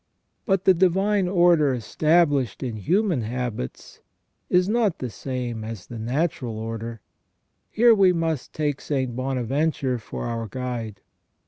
But the divine order established in human habits is not the same as the natural order; here we must take St. Bonaventure for our guide.